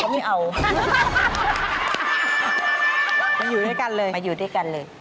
ไม่เอามาอยู่ด้วยกันเลยมาอยู่ด้วยกันเลย